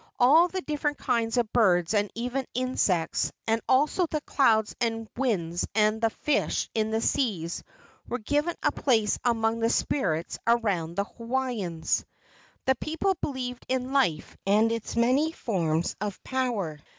All the different kinds of birds and even insects, and also the clouds and winds and the fish in the seas were given a place among the spirits around the Hawaiians. The people believed in life and its many forms of power.